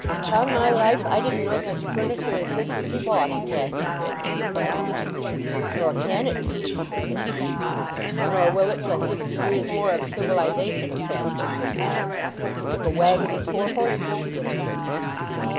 "Upon my life I didn't know such furniture as this could be bought in Casterbridge," he said. "Nor can it be," said she. "Nor will it till fifty years more of civilization have passed over the town. It took a waggon and four horses to get it here."